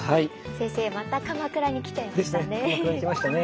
先生また鎌倉に来ちゃいましたね。